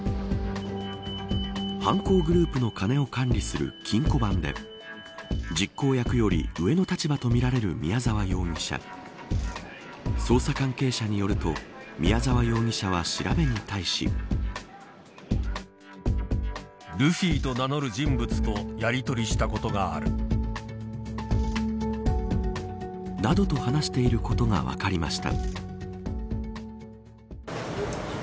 犯行グループの金を管理する金庫番で実行役より上の立場とみられる宮沢容疑者捜査関係者によると宮沢容疑者は調べに対し。などと話していることが分かりました。